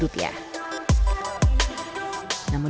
tapi enggak berhasil